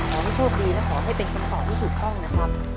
ขอให้โชคดีและขอให้เป็นคำตอบที่ถูกต้องนะครับ